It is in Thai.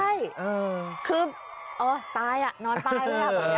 ใช่คืออ่อตายอ่ะนอนตายแล้วอ่ะ